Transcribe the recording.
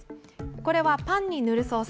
これはパンに塗るソース。